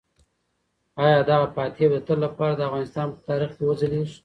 آیا دغه فاتح به د تل لپاره د افغانستان په تاریخ کې وځلیږي؟